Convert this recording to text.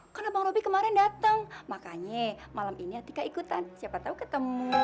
karena abang robi kemarin dateng makanya malam ini atika ikutan siapa tau ketemu